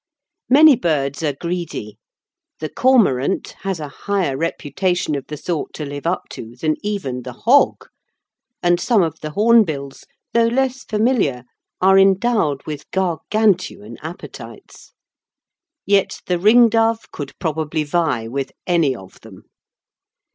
Many birds are greedy. The cormorant has a higher reputation of the sort to live up to than even the hog, and some of the hornbills, though less familiar, are endowed with Gargantuan appetites. Yet the ringdove could probably vie with any of them.